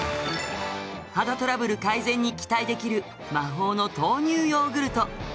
肌トラブル改善に期待できる魔法の豆乳ヨーグルト。